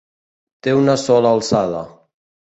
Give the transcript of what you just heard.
Té una sola alçada.